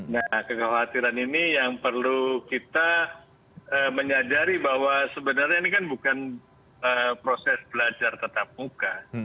nah kekhawatiran ini yang perlu kita menyadari bahwa sebenarnya ini kan bukan proses belajar tetap muka